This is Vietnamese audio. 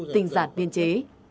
tình giản biên chế